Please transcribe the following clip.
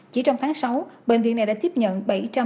chỉ trong tháng sáu bệnh viện này đã tiếp nhận